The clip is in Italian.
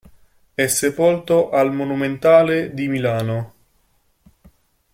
È sepolto al Monumentale di Milano.